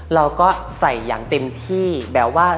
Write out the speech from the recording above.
เราก็ใส่อย่างเต็มที่แบบว่า